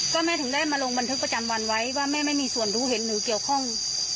ก็แม่ถึงได้มาลงบันทึกประจำวันไว้ว่าแม่ไม่มีส่วนรู้เห็นหรือเกี่ยวข้อง